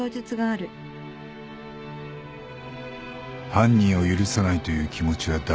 犯人を許さないという気持ちは誰よりも強い。